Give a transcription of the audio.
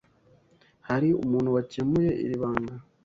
Hari umuntu wakemuye iri banga?